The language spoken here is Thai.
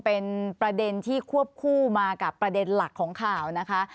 เป็นประเด็นที่ควบคู่มากับประเด็นหลักของข่าวนะคะ